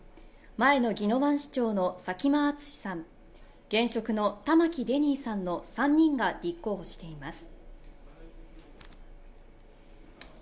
前の宜野湾市長の佐喜眞淳さん現職の玉城デニーさんの３人が立候補しています